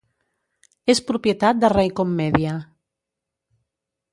És propietat de Raycom Media.